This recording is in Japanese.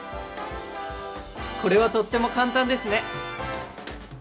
これはとっても簡単ですね！